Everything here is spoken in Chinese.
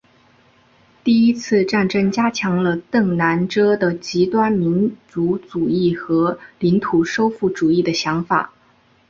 第一次战争加强了邓南遮的极端民族主义和领土收复主义的想法。